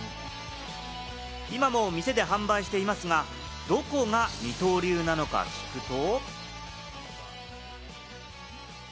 今も店で販売していますが、どこが二刀流なのか聞くと。